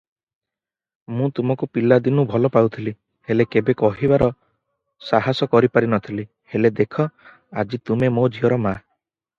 ମୁଁ ତମକୁ ପିଲାଦିନୁ ଭଲ ପାଉଥିଲି, ହେଲେ କେବେ କହିବାକୁ ସାହସ କରିପାରିନଥିଲି ହେଲେ ଦେଖ ଆଜି ତୁମେ ମୋ ଝିଅର ମା